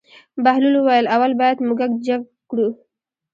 بهلول وویل: اول باید موږک جګ کړو.